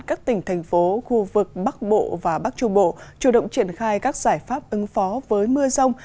các tỉnh thành phố khu vực bắc bộ và bắc trung bộ chủ động triển khai các giải pháp ứng phó với mưa rông